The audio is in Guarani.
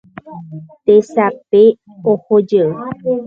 Tesape ohojey